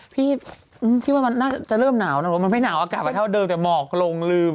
พี่พี่ว่ามันน่าจะเริ่มหนาวนะว่ามันไม่หนาวอากาศมาเท่าเดิมแต่หมอกลงลืม